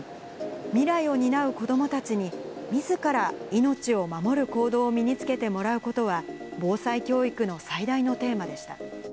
未来を担う子どもたちに、みずから命を守る行動を身に着けてもらうことは防災教育の最大のテーマでした。